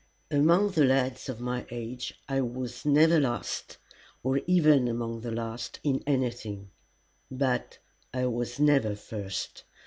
Among the lads of my age I was never last, or even among the last, in anything; but I was never first.